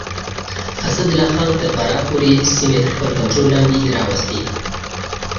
اسدالله خان تر فراه پورې سيمې تر خپل کنټرول لاندې راوستې.